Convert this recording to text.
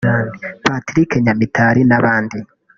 Patrick Nyamitali n'abandi